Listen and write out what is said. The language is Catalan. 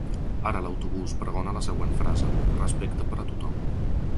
Ara l’autobús pregona la següent frase: Respecte per a tothom.